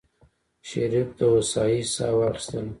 شريف د هوسايۍ سا واخيستله.